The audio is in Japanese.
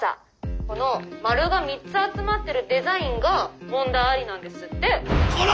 この『丸が３つ』集まってるデザインが問題ありなんですってッ！」。